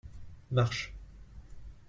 Marche.